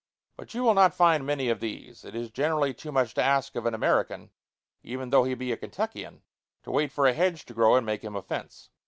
But you will not find many of these. It is generally too much to ask of an American, even though he be a Kentuckian, to wait for a hedge to grow and make him a fence.